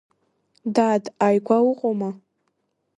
Дад, ааигәа уҟоума?